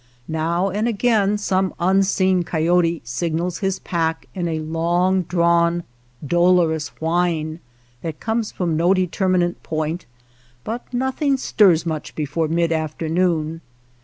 Now and again some unseen coyote signals his pack in a long drawn, dolorous whine that comes from no determinate point, but nothing stirs much before mid afternoon.